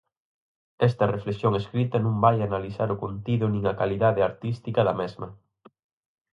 Esta reflexión escrita non vai analizar o contido nin a calidade artística da mesma.